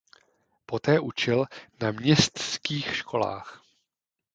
Poté učil na městských školách.